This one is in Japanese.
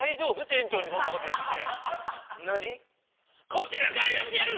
こちらからやめてやる！